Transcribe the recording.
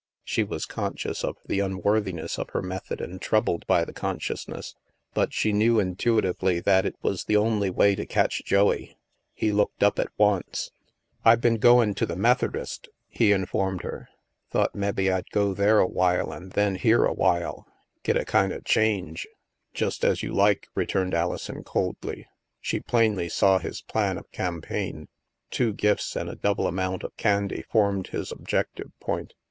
She was conscious of the unworthiness of her method and troubled by the consciousness. But she knew intuitively that it was the only way to catch Joey. He looked up at once. 8 THE MASK " I been goin' to the Metherdist/' he informed her. '* Thought mebbe Fd go there a wile an' then here a wile. Get a kinda change." " Just as you like," returned Alison coldly. She plainly saw his plan of campaign. Two gifts and a double amount of candy formed his objective point.